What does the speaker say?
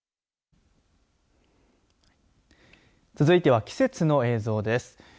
続いては季節の映像です。